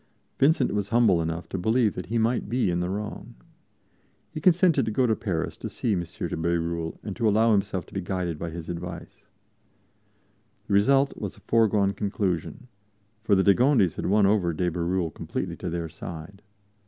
Vincent was humble enough to believe that he might be in the wrong. He consented to go to Paris to see M. de Bérulle and to allow himself to be guided by his advice. The result was a foregone conclusion, for the de Gondis had won over de Bérulle completely to their side.